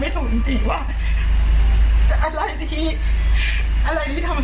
ทำงานครบ๒๐ปีได้เงินชดเฉยเลิกจ้างไม่น้อยกว่า๔๐๐วัน